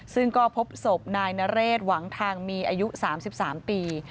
ซึ่งก็พบศพนายนเรศหวังทางมีอายุ๓๓ปี